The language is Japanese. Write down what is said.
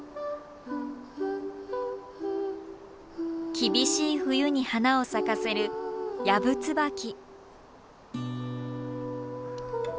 厳しい冬に花を咲かせるヤブツバキ。